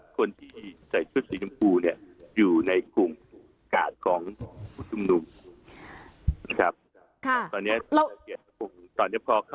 คนที่ใส่ชุดสีชมพูเนี่ย